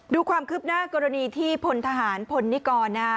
ดูความคึบหน้ากรณีที่พนธหันธ์พลนิกรน่า